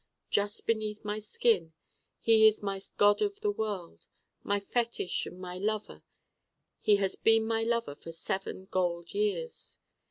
Just Beneath My Skin he is my God of the World, my Fetich and my Lover. He has been my Lover for seven gold years.